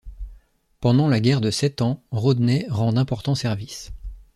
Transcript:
Pendant la guerre de Sept Ans, Rodney rend d'importants services.